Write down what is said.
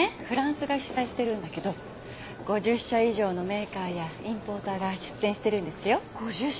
フランスが主催してるんだけど５０社以上のメーカーやインポーターが出展してるんですよ。